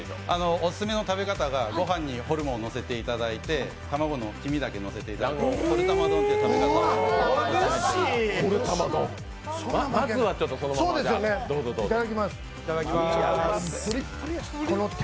おすすめの食べ方が、ご飯にホルモンをのせていただいて卵の黄身だけのせていただいてホル卵丼という食べ方をしていただいて。